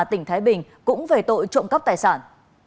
tỉnh thái bình cũng về tội trộm cắp tài sản